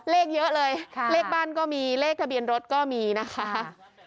เลขเยอะเลยเลขบ้านก็มีเลขทะเบียนรถก็มีนะคะ